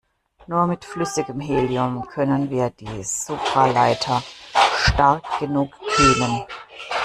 Nur mit flüssigem Helium können wir die Supraleiter stark genug kühlen.